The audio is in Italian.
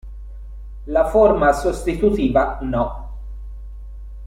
La forma sostitutiva "No.